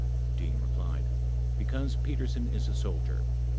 Dean replied: Because Petersen is a soldier.